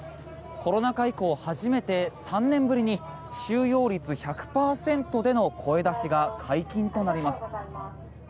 コロナ禍以降初めて３年ぶりに収容率１００％での声出しが解禁となります。